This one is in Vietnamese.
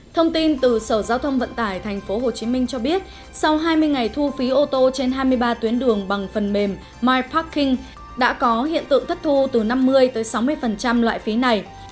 thông tin từ sở giao thông vận tải tp hcm cho biết sau hai mươi ngày thu phí ô tô trên hai mươi ba tuyến đường bằng phần mềm miparking đã có hiện tượng thất thu từ năm mươi sáu mươi loại phí này